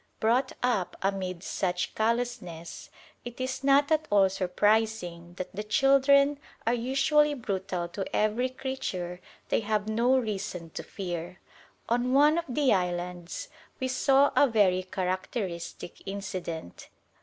Brought up amid such callousness, it is not at all surprising that the children are usually brutal to every creature they have no reason to fear. On one of the islands we saw a very characteristic incident.